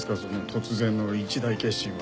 その突然の一大決心は。